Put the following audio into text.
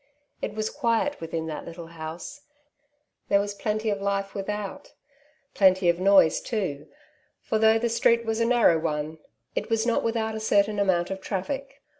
It was quiet within that little hoase« There wa« plenty of life without^ plenty of noise too ; f</r though the street was a narrow one^ it was wA^ 10 " Two Sides to every Question'* without a certain amount of traffic.